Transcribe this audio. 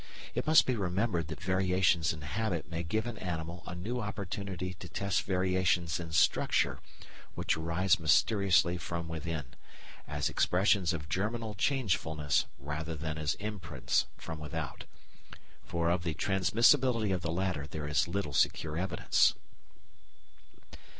It must be remembered that variations in habit may give an animal a new opportunity to test variations in structure which arise mysteriously from within, as expressions of germinal changefulness rather than as imprints from without. For of the transmissibility of the latter there is little secure evidence.